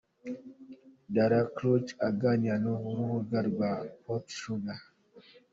"Dara Crouch aganira n’urubuga rwa Popsugar.